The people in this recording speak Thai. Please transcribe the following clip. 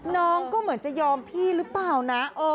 น้องก็เหมือนจะยอมพี่หรือเปล่านะ